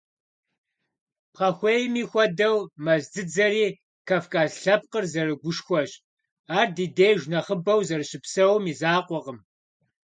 Пхъэхуейми хуэдэу, мэз дзыдзэри Кавказ лъэпкъыр зэрыгушхуэщ, ар ди деж нэхъыбэу зэрыщыпсэум и закъуэкъым.